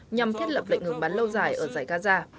nhằm thiết lập lệnh ngừng bắn lâu dài ở giải gaza